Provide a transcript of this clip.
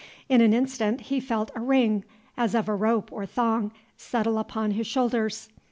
In an instant he felt a ring, as of a rope or thong, settle upon his shoulders.